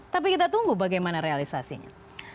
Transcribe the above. tapi kita tunggu bagaimana realisasinya